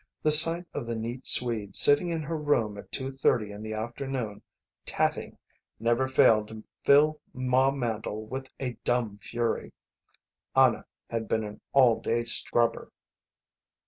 The sight of the neat Swede sitting in her room at two thirty in the afternoon, tatting, never failed to fill Ma Mandle with a dumb fury. Anna had been an all day scrubber.